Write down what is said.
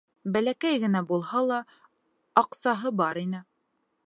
Бәләкәй генә булһа ла аҡсаһы бар ине.